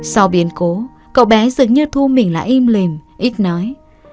sau biến cố cậu bé dựng như thu mình lại im lìm ít nói